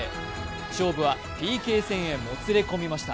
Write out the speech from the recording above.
勝負はＰＫ戦へもつれ込みました。